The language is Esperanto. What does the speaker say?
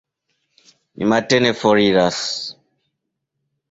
Ni matene foriras.